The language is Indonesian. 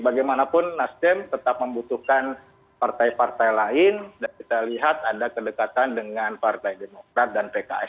bagaimanapun nasdem tetap membutuhkan partai partai lain dan kita lihat ada kedekatan dengan partai demokrat dan pks